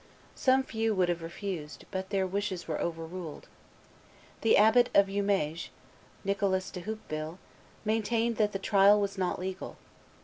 Some few would have refused; but their wishes were overruled. The Abbot of Jumieges, Nicholas de Houppeville, maintained that the trial was not legal.